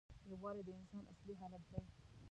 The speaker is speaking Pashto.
یووالی د انسان اصلي حالت دی.